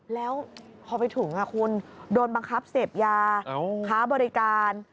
แล้วพอไปถึงคุณโดนบังคับเสพยาค้าบริการ